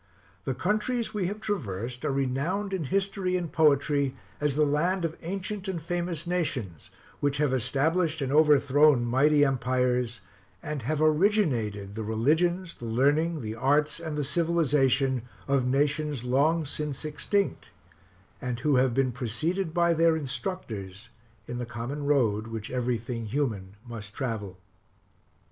The countries we have traversed are renowned in history and poetry as the land of ancient and famous nations, which have established and overthrown mighty empires, and have originated the religions, the learning, the arts, and the civilization of nations long since extinct; and who have been preceded by their instructors in the common road which every thing human must travel.